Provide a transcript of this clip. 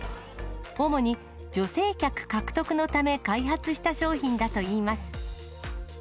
主に女性客獲得のため、開発した商品だといいます。